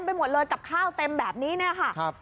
ไปหมดเลยกับข้าวเต็มแบบนี้นะฮะ